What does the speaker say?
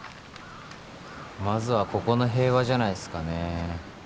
まずはここの平和じゃないっすかね。